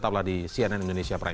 tetaplah di cnn indonesia prime